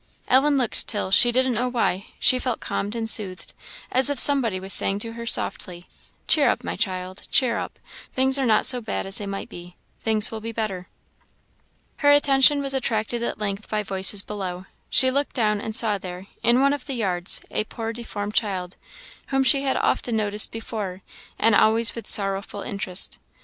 Ellen looked till, she didn't know why, she felt calmed and soothed as if somebody was saying to her softly, "Cheer up, my child, cheer up; things are not so bad as they might be: things will be better." Her attention was attracted at length by voices below; she looked down, and saw there, in one of the yards, a poor deformed child, whom she had often noticed before, and always with sorrowful interest.